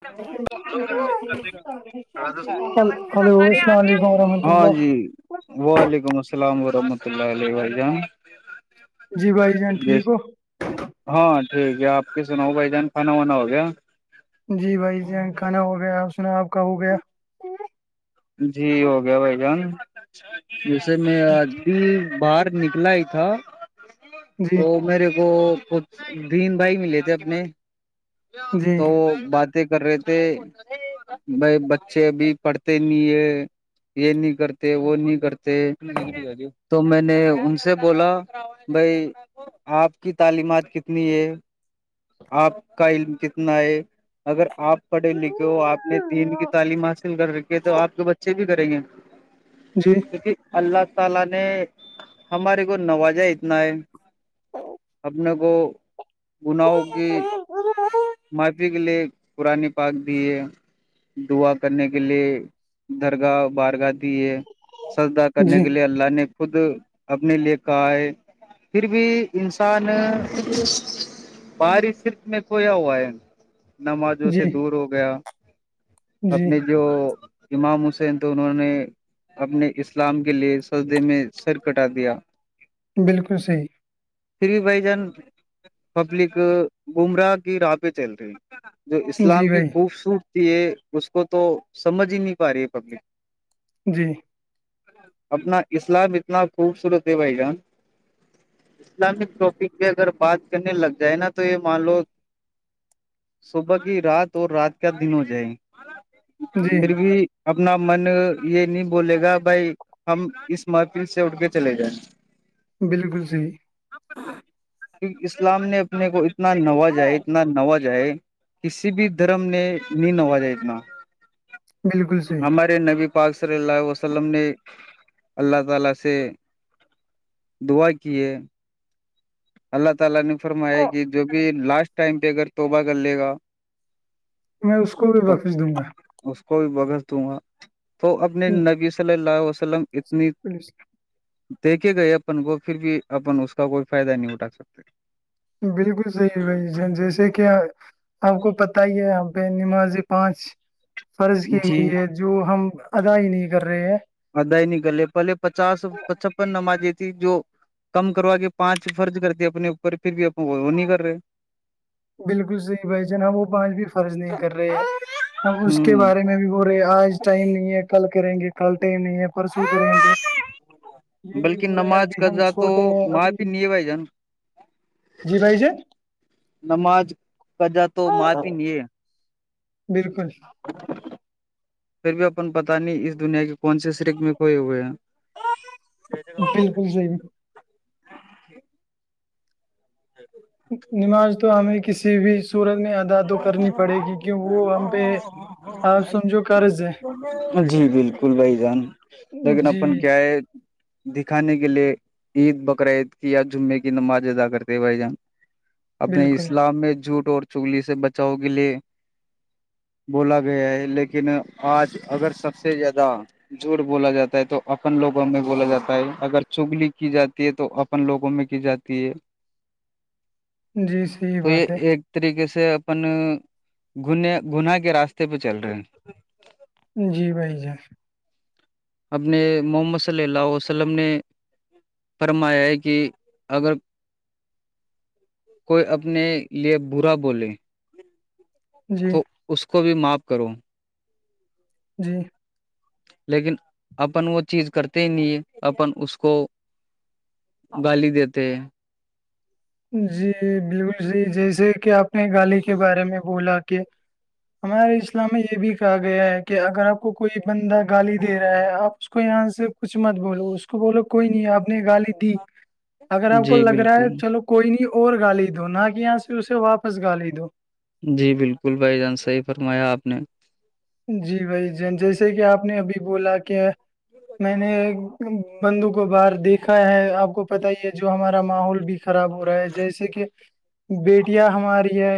[unintelligible] hello ے آ السلام علیکم ورحمۃ ہاں اللہ جی وعلیکم السلام ورحمۃ اللہ و جان جی بھائی جان یس ٹھیک ہو ہاں ٹھیک ہے آپ کی سناؤ بھائی جان کھانا وانا ہو گیا جی بھائی جان کھانا ہو گیا اپ سنا آپ کا ہو گیا جی ہو گیا بھائی جان جیسے میں ابھی باہر نکلا ہی تھا جی تو میرے کو ک دھیین بھائی ملے تھے اپنے جی تو بات کر رہے تھے بھائی بچے ابھی پڑھتے نہیں ہے یہ نہیں کرتے وہ نہیں کرتے تو میں نے ان سے بولا بھائی آپ کی تعلیمات کتنی ہے آپ کا علم کتنا ہے اگر آپ پڑھے لکھے ہو آپ نے دین کی تعلیم حاصل کر رکھیے ہے تو آپ کے بچے بھی کریں گے جی اللہ تعالی نے ہمارے کو نواجہ اتنا ہے اپنے کو گناہوں کی ا [unintelligible] مافی کے لیے قران پاک بھی ہے دعا کرنے کے لیے درگاہ بارگاہ سجدہ کرنے جی کے لیے اللہ نے خود اپنے لیے کہا ہے پھر بھی انسان بارشر میں کویا ہو نمازوں سے جی دور ہو گیا جی اپنی جو امام حسین تو انہوں نے اپنے اسلام کے لیے سجدے میں سر کٹا دیا بالکل صحیح پھر بھی بھائی جان پبلک گھوم رہا کہ راہ پہ چل رہی جو اسلام جی کی بھائی خوبصورتی ہے اس کو تو سمجھ ہی نہیں پا رہی ہے پبلک جی اپنا اسلام اتنا خوبصورت ہے بھائی جان اسلامک ٹاپک پہ اگر بات کرنے لگ جائے نا تو یہ مان لو صبح کی رات اور رات کا دن ہو جائے جی پھر بھی اپنا من یہ نہیں بولے گا بھائی ہم اس محفل سے اڑ کے چلے گئے بالکل صحیح اسلام نے اپنے کو اتنا نوازا ہے اتنا نواز جائے کسی بھی دھرم نے نہیں نوجا اتنا بالکل صحیح ہمارے نبی پاک صلی اللہ وسلم نے اللہ تعالی سے دعا کی ہیے اللہ تعالا نے فرمایا کہ جو بھی لاسٹ ٹائم پہ اگر توبہ کر لے گا میں اس کو بھی تو بخش دوں گا اس کو بھی بخش دوں گا تو اپنے نبی صلی اللہ ع وسلم اتنی پلیس دیکھے گئے اپن کو پھر بھی اپن اس کا کوئی فائدہ نہیں اٹھا سکتے بالکل صحیح بھائی جیسے کہ آپ کو پت ہی ہے پہلے نمازی پانچ فرض کی جی گئی ہے جو ہم ادا ہی نہیں کر رہے ہیں ادائی ہی نہیں کرلے پہے پچاس پچپن نمازی تھی جو کم کروا کے پانچ فرض کرتے اپنے اوپر پھر بھی وہ نہیں کر رہے بالکل صحیح بھائی جان ہم وہ پانچ بھی فرض نہیں کر رہے ہیں ہم اس کے ہوں بارے میں بھی بول رے آج ٹائم نہیں ہے کل کریں گے کل ٹائم نہیں ہے پرسوں کے رہیں گے یہ بھی بلکہ بول رہے نماز ابھی ہم قضا تو چھوٹے ہیں ابھی معافی نہیں ہے بھائی جان جی بھائی جان نماز قضا تو معافی نہیں ہے بالکل پھر بھی اپن پتا نہیں اس دنیا کے کون سے شرک میں کھئے ہوئے ہیں بالکل صحیح آچھا نماز تو ہمیں کسی بھی صورت میں آداد تو کرنی پڑے گی کی وہ ہم پہ آ سمجھو قرض ہے جی بالکل بھائی جان لیکن جی اپن کیا ہے دکھانے کے لیے عید بقرہ عید کی یا جمعے کی نماز ادا کرتے ہیں بھائی جان اپنے بالکل اسلام میں جھوٹ اور چگلی سے بچاؤ کے لیے بولا گیا ہے لیکن آج اگر سب سے زیادہ جوٹ بولا جاتا ہے تو اپن لوگوں میں بولا جاتا ہے اگر چگلی کی جاتی ہے تو اپن لوگوں میں کی جاتی کہ یہ جی صحیح تو یہ بات ہے ایک طریقے سے ا اپن گناہ گناہ کے راستے پہ چل رہے ہیں جی بھائی جان اپنے محمد صلی اللہ عیہ وسلم نے فرمایا ہے کہ اگر کوئی اپنے لیے برا بولے جی تو اس کو بھی معاف کرو جی لیکن اپن وہ چیز کرتے ہی نہیں ہے اپن اس کو گالی دیتے جی بالکل جی جیسے کہ آپ نے گالی کے بارے میں بولا کہ ہمارے اسلام میں یہ بھی کہا گیا ہے کہ اگر آپ کو کوئی بندہ گالی دے رہا ہے آپ اس کو یہاں سے کچھ مت بولو اس کو بولو کوئی نہیں آپ نے گالی اگر آپ کو جی لگ رہا ہے بالکل چلو کوئی نہیں اور گالی دو نہ کہ یہاں سے اسے واپس گالی دو جی بالکل بھائی جان صحیح فرمایا آپ نے جی بھائی جان جیسے کہ آپ نے ابھی بولا کہ میں نے بندوں کو باہر دیکھا ہے آپ کو پتا ہی ہے جو ہمارا ماحول بھی خراب ہو رہا ہے جیسے کہ بیٹیاں ہماری ہے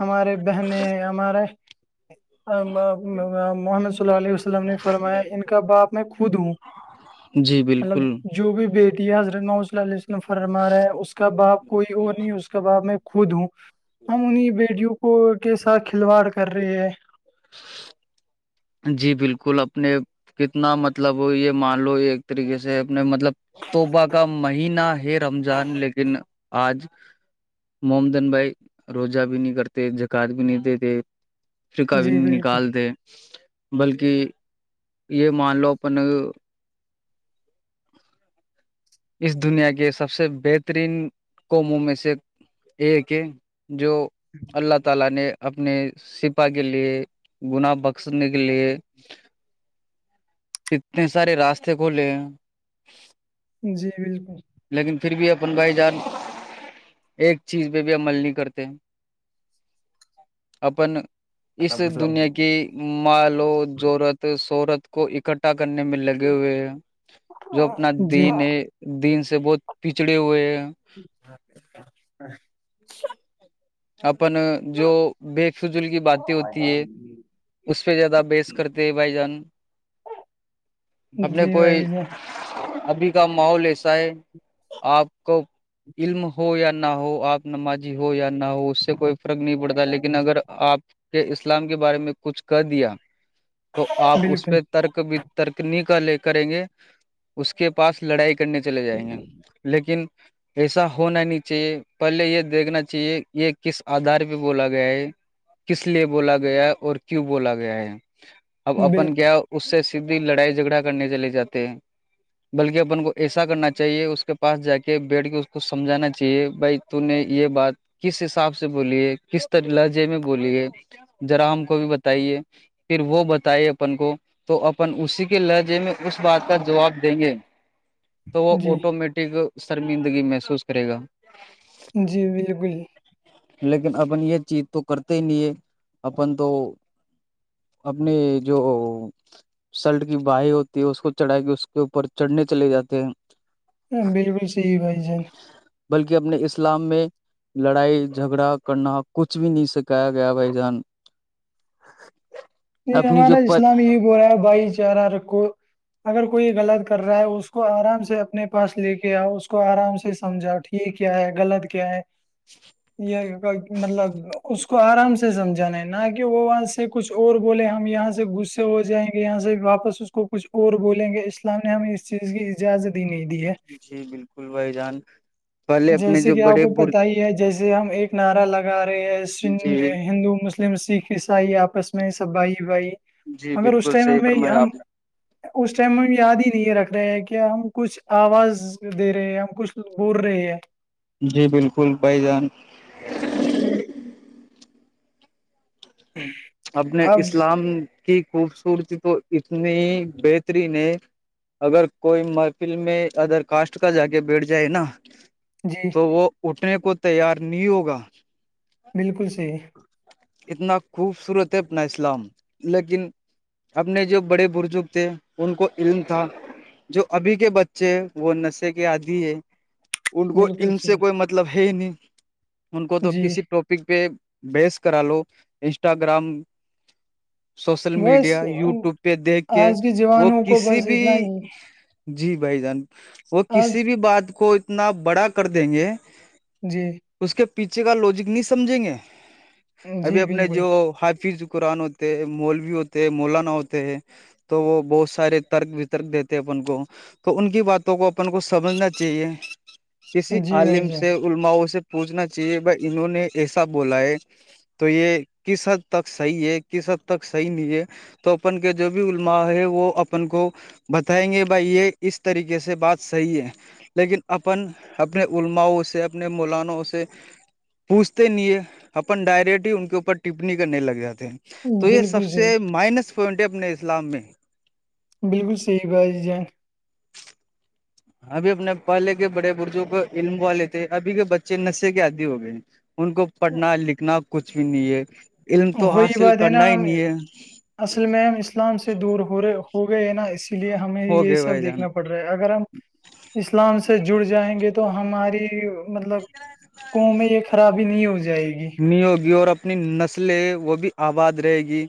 ہمارے بہنیں ہمارے محمد صلیلہ علیہ السلام نے فرمایا ان کا باپ میں خود ہوں جی مطلب بالکل جو بھی بیٹی ہے حضرت ما صلی ال علیہ ولم فرما ہے اسس کا باپ کوئی اور نہیں ہے اسس کا باپ میں خود ہوں ہم انہیں بیٹیوں کو کے ساتھ کھلواڑ کر رہے ہیں جی بالکل اپنے کتنا مطلب یہ مان لو یہ ایک طریقے سے اپنے مطلب توبہ کا مہینہ ہے رمضان لیکن آج محمدن بھائی روزہ بھی نہیں کرتے زاقات بھی نہیں دیتے ف کا بھی جی نہیں نکال بالکل د بلکہ یہ مان لو اپن اس دنیا کے سب سے بہترین قوموں میں سے ایک ہے جو اللہ تعالی نے اپنے سپہ کے لیے گناہ نکلیے اتنے سارے راستے کھولے جی بالکل لیکن پھر بھی اپن بھائی جان ایک چیز پہ بھی عمل نہیں کرتے اپن اسے دنیا کی مالو زورت شہورت کو اکٹھا اھا کرنے میں لگے ہوئے ہیں جو اپنا جی دین دین سے بہت پچھڑے ہوئے ہیں [inaudible] اپن جو بے فوضول کی باتیں ہوتی ہے اس پہ زیادہ بیحس کرتے بھائی جان [inaudible] اپنے جی بھائی کوئی جی ابھی کا ماحول ایسا ہے آپ کو علم ہو یا نہ ہو آپ نمازی ہو یا نہ ہو اس سے کوئی فرق نہیں پڑتا لیکن اگر آپ کے اسلام کے بارے میں کچھ کہہ دیا تو آپ اس بالکل پہ ترک بھی ترک نہیں کا لے کریں گے اس اس کے پاس لڑائی کرنے چلے جائیں گے لیکن ایسا ہونا نہیں چاہیے پہلے یہ دیکھنا چاہیے یہ کس آدار پہ بولا گیا ہے کس لیے بولا گیا اور کیوں بولا گیا ہے اب اپن بالکل کیا اس سے سیدھی لڑائی جھگڑا کرنے چلے جاتے ہیں بلکہ اپن کو ایسا کرنا چاہیے اس کے پاس جا کے بیٹھ کے اس کو سمجھانا چاہیے بھائی تو نے یہ بات کس حساب سے بولی ہے کس ط لجے میں بولی ہے جرا ہم کو بھی بتائیے پھر وہ بتائے اپن کو تو اپن اسی کے لہجے میں اس بات کا جواب دیں گے تو وہ جی آٹومیٹک شرمندگی محسوس کرے گا جی بالکل لیکن اپن یہ چیز تو کرتے ہی نہیں ہے اپن تو اپنے جو سلٹ کی باہیں ہوتی ہے اس کو چڑھا کے اس کے اوپر چڑھنے چلے جاتے ہیں بالکل صحیح بھائی جان بلکہ اپنے اسلام میں لڑائی جھگڑا کرنا کچھ بھی نہیں سکھایا گیا بھائی جان یہ اپنی ہمارا جو پر اسلام یہی بول رہا ہے بھائی چارہ رکھو اگر کوئی غلط کر رہا ہے اس کو آرام سے اپنے پاس لے کے آؤ اس کو آرام سے سمجھاؤ ٹھ یہ کیا ہے غلط کیا ہے [inaudible] یہ مطلب اس کو آرام سے سمجانا ہے نہ کہ وہ وہاں سے کچھ اور بولیں ہم یہاں سے گغصے ہو جائیں گے یہاں سے واپس اس کو کچھ اور بولیں گے اس لیے اسلام نے ہمیں اس چیز کی اجازت ہی نہیں دی ہے جی بالکل بھائی جان پہلے اپنے جیسے جو کہ آپ بڑے کو پتہ ہی ہے جیسے ہم ایک نعرا لگا رہے ہیں جی ہندو مسلم مسلم سکھ عیسائی آپس میں سب بھائی بھائی جی مگر اس بالکل ٹائم صحیح ہمیں فرمایا ہم آپ اس ٹائم میں ہم یاد ہی نہیں رکھ رہے ہیں کہ ہم کچھ آواز دے رہے ہیں ہم کچھ بول رہے ہیں جی بالکل بھائی جان [inaudible] اپنے اب اسلام کی خوبصورتی تو اتنی بہترین ہے اگر کوئی محفل میں ادر کاسٹ کا جاگے بیٹھ جائے نا جی تو وہ اٹھنے کو تیار نہیں ہوگا بالکل صحیح اتنا خوبصورت ہے اپنا اسلام لیکن اپنے جو بڑے بزرگ تھے ان کو علم تھا جو ابھی کے بچے وہ نشے کے آدی ہے ان کو بالکل علم سے کوئی صحیح مطلب ہے ہی نہیں ان کو تو جی کسی ٹپ پہ بحس کرا لو انسٹاگرام سوشل بس میڈیا یوٹیوب پہ دیکھ کے آج وہ جوانوں کو کسی بس بھی اتنا ہی جی بھائی جان وہ آج کسی بھی بات کو اتنا بڑا کر دیں گے جی اس کے پیچھے کا لوجک نہیں سمجھیں گے ابھی جی اپنے جو بالکل حافظ قرآن ہوتے ہیں مولوی ہوتے ہیں مولانا ہوتے ہیں تو وہ بہت سارے ترک وترک دیتے اپن کو تو ان کی باتوں کو اپن کو سمجھنا چاہیے کسی جی بھائی عالم جان سے اللماؤں سے پوچھنا چاہیے انہوں نے ایسا بولا ہے تو یہ کس حد تک صحیح ہے کس حد تک صحیح نہیں ہے توپن کے جو بھی علماء ہے وہ اپن کو بتائیں گے بھائی یہ اس طریقے سے بات صحیح ہے لیکن اپن اپنے علماؤں سے اپنے مولانوں سے پوچھتے نہیں اپن ڈائریکٹ ہی ان کے اوپر ٹپنی کرنے لگ جاتے ہیں تو یہ سب بالکل صحیح سے مائنس پوائنٹ ہے اپنے اسلام میں بالکل صحیح بااتی جان ابھی اپنے پہلے کے بڑے برجوں کو علموا لیے تھے ابھی کے بچے نشے کے عادی ہو گئے ان کو پڑھنا لکھنا کچھ بھی نہیں ہے علم تو وہی حاصل بات ہے کرنا نا ہی ہم نہیں ہے اصل میں ہم اسلام سے دور ہو رہے ہو گئے نا اسی لیے ہمیں ہو یہ گئے سب بھائی جان دیکھناڑ پڑ رہا اگر ہم اسلام سے جڑ جائیں گے تو ہماری مطلب کنو میں یہ خرابی نہیں ہو جائے گی ہوگی اور اپنی نسلیں وہ بھی آباد رہے گی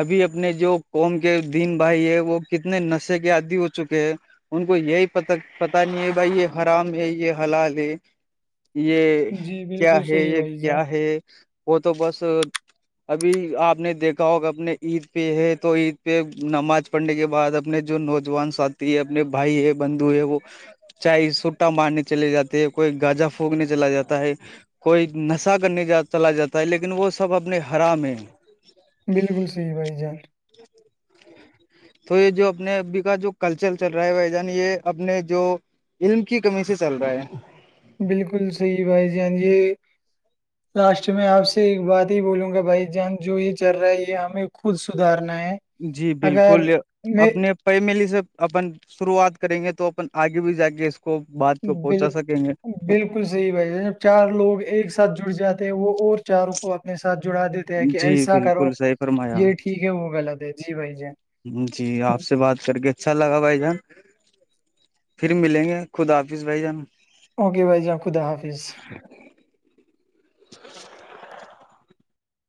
ابھی اپنے جو قوم کے دین بھائی ہے وہ کتنے نشے کے عادی ہو چکے ہیں ان کو یہی پ پتا نہیں ہے بھائی یہ حرام ہے یہ حلال ہے یہ جی کیا بالکل ہے صحیح یہ بھائی جان کیا ہے وہ تو بس ابھی آپ نے دیکھا ہوگ اپنے عید پہ ہے تو عید پہ نماز پڑھنے کے بعد اپنے جو نوجوان ساتھی ہے اپنے بھائی ہے بندو ہے وہ چاہے سٹا مارنے چلے جاتے ہیں کوئی گاجا پونکنے چلا جاتا ہے کوئی نس حصہ کرنے ج چلا جاتا ہے لیکن وہ سب اپنے حرام بالکل صحیح بھائی جان تو یہ جو اپنے ابھی کا جو کلچر چل رہا ہے بائی جان یہ اپنے جو علم کی کمی سے چل رہا ہے بالکل صحیح بھائی جان یہ لاسٹ میں آپ سے ایک بات ہی بولوں گا بھائی جان جو یہ چل رہا ہے یہ ہمیں خود سدھارنا ہے جی اگر بالکل میں اپنے پ ملی سے اپن شروعات کریں گے تو اپن آگے بھی جا کے کو بات کو پہنچا بالکل سکیں گے بالکل صحیح بھائی جب چار لوگ ایک ساتھ جڑ جاتے ہیں وہ اور چاروں کو اپنے ساتھ جڑا دیتے کہ جی ایسا کرو بالکل صحیح فرمایا یہ ٹھیک ہے وہ غلط ہے جی بھائی جی آپ سے بات کر کے اچھا لگا بھائی جان پھر ملیں گے خدا حافظ بھائی جان اوکے بھائی جا خدا حافظ